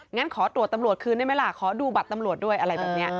งั้นขอตรวจตำรวจคืนได้ไหมล่ะขอดูบัตรตำรวจด้วยอะไรแบบนี้